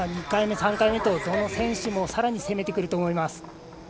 ２回目、３回目とどの選手もさらに攻めてくると思います。